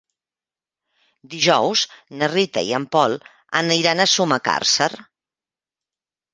Dijous na Rita i en Pol aniran a Sumacàrcer.